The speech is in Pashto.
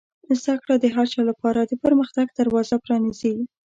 زده کړه د هر چا لپاره د پرمختګ دروازه پرانیزي.